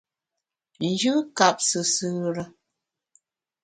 Njù kap sùsù re.